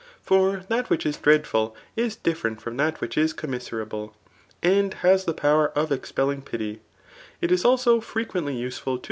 For that which is dreadful is different from that which is Qommiserable, and hasthe pojw of lelxpeUii^jpiiy/ It is.ako frequently useful to!